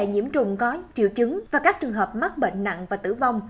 nhiễm trùng có triệu chứng và các trường hợp mắc bệnh nặng và tử vong